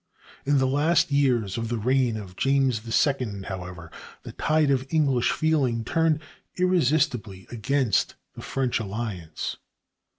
In the last years of the reign of James II, however, the tide of English feeling turned irresistibly against the French alliance.